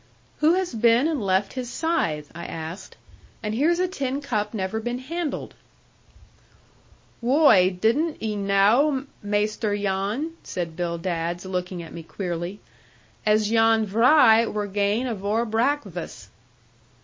'Who has been and left his scythe?' I asked; 'and here's a tin cup never been handled!' 'Whoy, dudn't ee knaw, Maister Jan,' said Bill Dadds, looking at me queerly, 'as Jan Vry wur gane avore braxvass.'